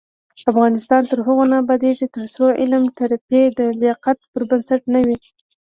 افغانستان تر هغو نه ابادیږي، ترڅو علمي ترفیع د لیاقت پر بنسټ نه وي.